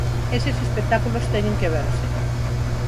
Eses espectáculos teñen que verse.